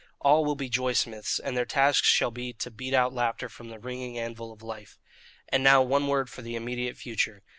All will be joy smiths, and their task shall be to beat out laughter from the ringing anvil of life. "And now one word for the immediate future.